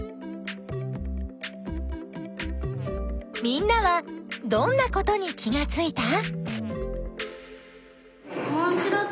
みんなはどんなことに気がついた？